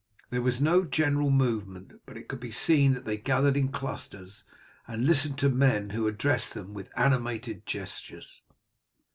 There was no general movement, but it could be seen that they gathered in clusters, and listened to men who addressed them with animated gestures.